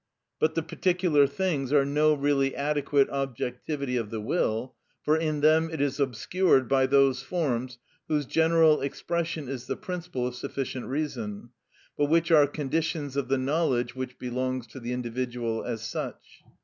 But the particular things are no really adequate objectivity of the will, for in them it is obscured by those forms whose general expression is the principle of sufficient reason, but which are conditions of the knowledge which belongs to the individual as such.